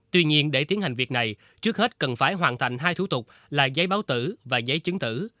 tuy nhiên để tiến hành việc này trước hết cần phải hoàn thành hai thủ tục là giấy báo tử và giấy chứng tử